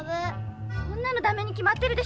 そんなの駄目に決まってるでしょ。